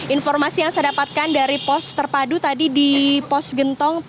informasi yang saya dapatkan dari pos terpadu tadi di pos gentong